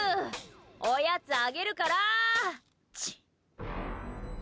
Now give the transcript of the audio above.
おやつあげるからちっ！